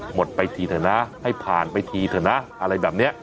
หมดไปทีเถอะนะให้ผ่านไปทีเถอะนะอะไรแบบนี้